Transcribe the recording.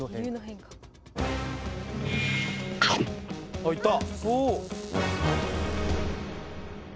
あっいった！